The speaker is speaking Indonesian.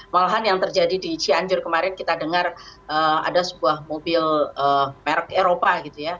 malahan yang terjadi di cianjur kemarin kita dengar ada sebuah mobil merek eropa gitu ya